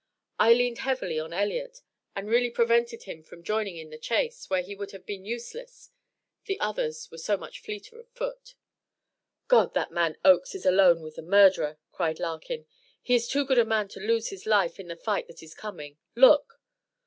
I leaned heavily on Elliott, and really prevented him from joining in the chase, where he would have been useless; the others were so much fleeter of foot. "God that man Oakes is alone with the murderer!" cried Larkin. "He is too good a man to lose his life in the fight that is coming. Look!"